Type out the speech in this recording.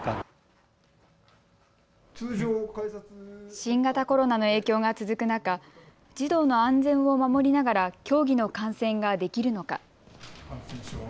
新型コロナの影響が続く中、児童の安全を守りながら競技の観戦ができるのか。